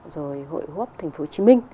rồi hội hô ấp tp hcm